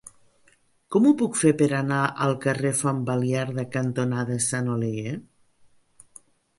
Com ho puc fer per anar al carrer Font Baliarda cantonada Sant Oleguer?